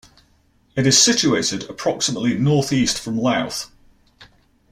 It is situated approximately north-east from Louth.